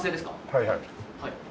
はいはい。